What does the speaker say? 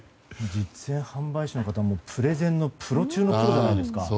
実演販売士の方ってプレゼンのプロ中のプロじゃないですか。